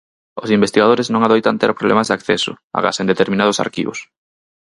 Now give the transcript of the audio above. Os investigadores non adoitan ter problemas de acceso, agás en determinados arquivos.